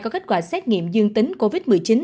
có kết quả xét nghiệm dương tính covid một mươi chín